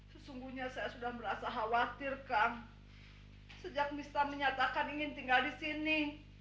sesungguhnya saya sudah merasa khawatir kang sejak mista menyatakan ingin tinggal di sini